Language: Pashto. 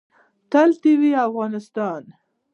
تل دې وي افغانستان